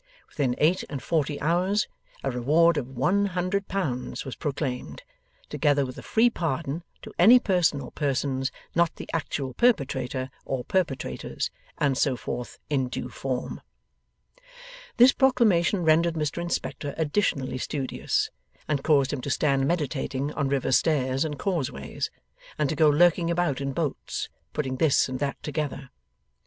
Within eight and forty hours, a reward of One Hundred Pounds was proclaimed, together with a free pardon to any person or persons not the actual perpetrator or perpetrators, and so forth in due form. This Proclamation rendered Mr Inspector additionally studious, and caused him to stand meditating on river stairs and causeways, and to go lurking about in boats, putting this and that together.